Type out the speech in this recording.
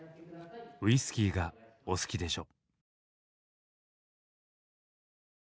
「ウイスキーが、お好きでしょ」。